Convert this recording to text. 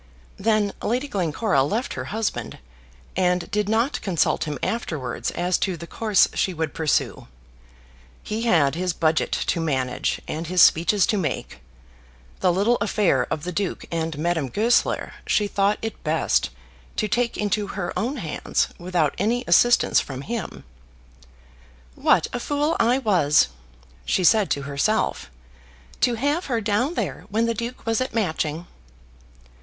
Then Lady Glencora left her husband, and did not consult him afterwards as to the course she would pursue. He had his budget to manage, and his speeches to make. The little affair of the Duke and Madame Goesler, she thought it best to take into her own hands without any assistance from him. "What a fool I was," she said to herself, "to have her down there when the Duke was at Matching!"